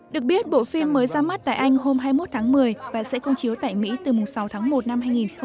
được biết bộ phim mới ra mắt tại anh hôm hai mươi một tháng một mươi và sẽ công chiếu tại mỹ từ mùng sáu tháng một năm hai nghìn hai mươi